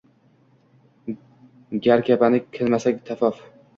Gar Kabani kilmasak tavof